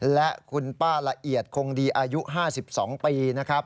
และคุณป้าละเอียดคงดีอายุ๕๒ปีนะครับ